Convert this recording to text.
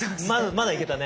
まだいけたね。